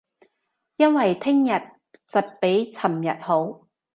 因為聼日實比尋日好